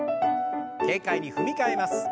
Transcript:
軽快に踏み替えます。